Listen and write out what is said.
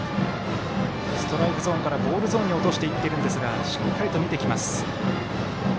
ストライクゾーンからボールゾーンに落としていってるんですがしっかりと見てきます。